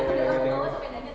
tanda terima kasih ya